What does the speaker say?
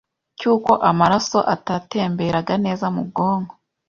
cy’uko amaraso atatemberaga neza mu bwonko